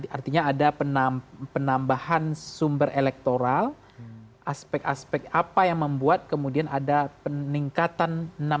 artinya ada penambahan sumber elektoral aspek aspek apa yang membuat kemudian ada peningkatan